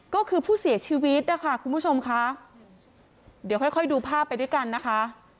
ก็คือผู้เสียชีวิตนะคะคุณผู้ชมค่ะเดี๋ยวค่อยค่อยดูภาพไปด้วยกันนะคะ